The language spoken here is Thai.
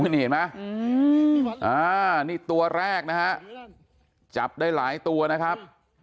อืมอ่านี่ตัวแรกนะฮะจับได้หลายตัวนะครับ